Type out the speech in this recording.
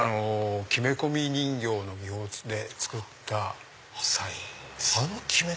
木目込み人形の要図で作ったサイです。